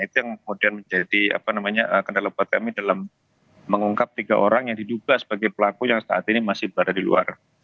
itu yang kemudian menjadi kendala buat kami dalam mengungkap tiga orang yang diduga sebagai pelaku yang saat ini masih berada di luar